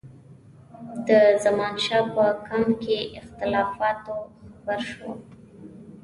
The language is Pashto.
د زمانشاه په کمپ کې اختلافاتو خبر شو.